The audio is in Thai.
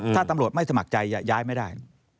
ถ้าตำรวจไม่สมัครใจย้ายไม่ได้